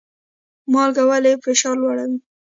مالګه ولې فشار لوړوي؟